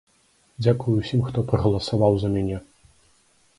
Дзякуй усім, хто прагаласаваў за мяне.